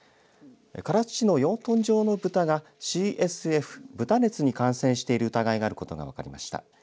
唐津市の養豚場の豚がＣＳＦ、豚熱に感染している疑いがあることが分かりました。